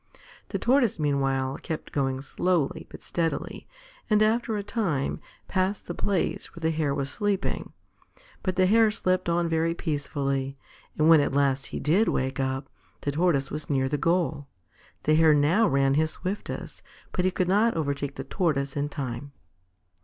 The Tortoise meanwhile kept going slowly but steadily, and, after a time, passed the place where the Hare was sleeping. But the Hare slept on very peacefully; and when at last he did wake up, the Tortoise was near the goal. The Hare now ran his swiftest, but he could not overtake the Tortoise in time.